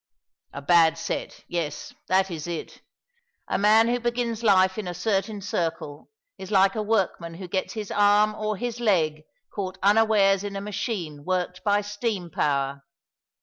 "" A bad set— yes, that is it. A man who begins life in a certain circle is like a workman who gets his arm or his leg caught unawares in a machine worked by steam power.